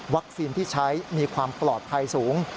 วัคซีนที่ใช้มีความปลอดภัยสูง